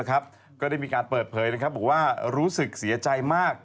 ก็ได้มีการเปิดเผยบอกว่ารู้สึกเสียใจมาก